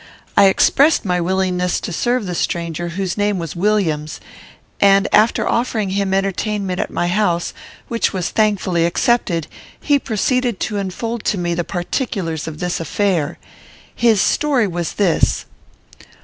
I expressed my willingness to serve the stranger, whose name was Williams; and, after offering him entertainment at my house, which was thankfully accepted, he proceeded to unfold to me the particulars of this affair. His story was this.